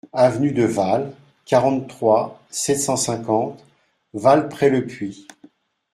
Avenue de Vals, quarante-trois, sept cent cinquante Vals-près-le-Puy